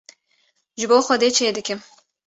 ji bo Xwedê çê dikim.